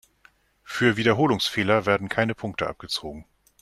Für Wiederholungsfehler werden keine Punkte abgezogen.